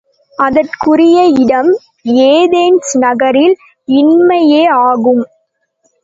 அதற்குரிய இடம் ஏதென்ஸ் நகரில் இன்மையே ஆகும்.